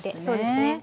そうですね